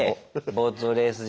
ボートレース場。